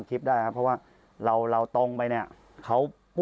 ใช่ค่ะ